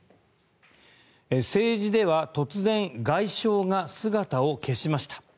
政治では突然外相が姿を消しました。